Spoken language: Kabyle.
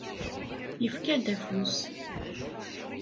Yefka-d afus.